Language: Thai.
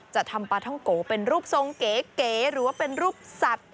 ทำปลาท่องโกเป็นรูปทรงเก๋หรือว่าเป็นรูปสัตว์